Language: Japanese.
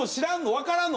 分からんの？